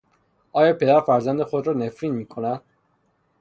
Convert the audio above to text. آیا پدر فرزند خودرا نفرین میکند